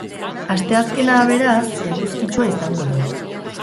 Asteazkena, beraz, eguzkitsua izango da.